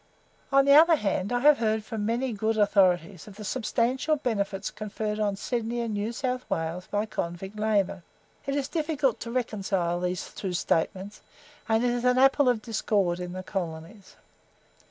On the other hand, I have heard from many and good authorities, of the substantial benefits conferred on Sydney and New South Wales by convict labour. It is difficult to reconcile these two statements, and it is an apple of discord in the colonies.